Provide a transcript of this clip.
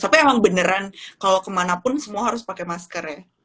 tapi emang beneran kalau kemanapun semua harus pakai masker ya